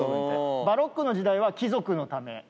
バロックの時代は貴族のため。